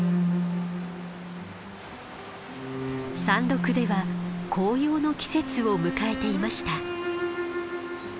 山麓では紅葉の季節を迎えていました。